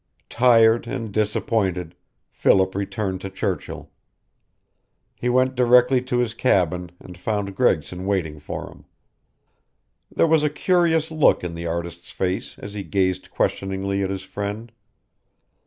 Tired and disappointed, Philip returned to Churchill. He went directly to his cabin and found Gregson waiting for him. There was a curious look in the artist's face as he gazed questioningly at his friend.